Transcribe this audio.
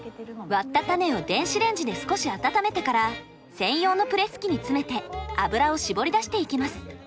割った種を電子レンジで少し温めてから専用のプレス機に詰めて油を搾り出していきます。